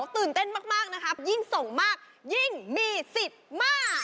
ตื่นเต้นมากนะครับยิ่งส่งมากยิ่งมีสิทธิ์มาก